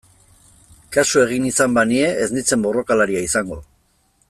Kasu egin izan banie ez nintzen borrokalaria izango...